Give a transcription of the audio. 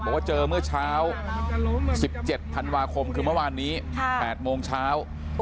บอกว่าเจอเมื่อเช้า๑๗ธันวาคมคือเมื่อวานนี้๘โมงเช้า